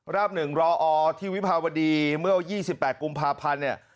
ราบหนึ่งรออที่วิภาวดีเมื่อว่า๒๘กุมภาพันธ์เนี่ย